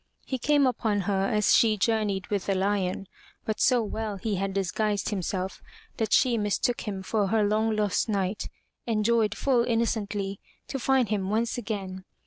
He came upon her as she journeyed with the lion, but so well he had disguised himself that she mistook him for her long lost knight and joyed full innocently to find him once again.